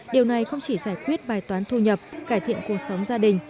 điều này không chỉ giải quyết bài toán thu nhập cải thiện cuộc sống gia đình